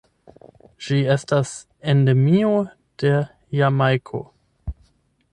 Ĝi estas endemio de Jamajko.